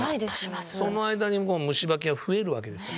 その間にも虫歯菌は増えるわけですから。